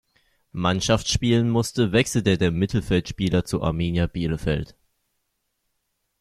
Mannschaft spielen musste, wechselte der Mittelfeldspieler zu Arminia Bielefeld.